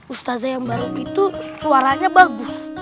ustazah yang baru itu suaranya bagus